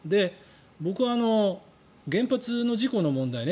僕は原発の事故の問題